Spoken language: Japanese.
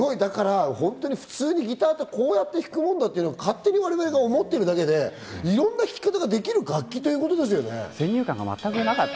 普通にギターってこう弾くもんだって勝手にわれわれが思ってるだけで、いろんな弾き方ができる楽器っていうことですね。